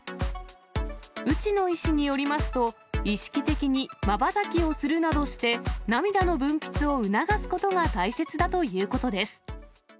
内野医師によりますと、意識的にまばたきをするなどして、涙の分泌を促すことが大切だということです。